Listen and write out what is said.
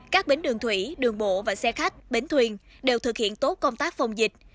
các bến đường thủy đường bộ và xe khách bến thuyền đều thực hiện tốt công tác phòng dịch